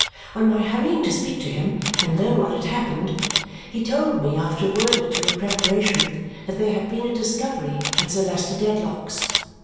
On my hurrying to speak to him and learn what had happened, he told me, after a word or two of preparation, that there had been a discovery at Sir Leicester Dedlock's.